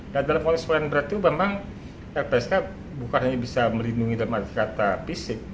nah dalam konteks pelayanan berat itu memang lpsk bukan hanya bisa melindungi dalam arti kata fisik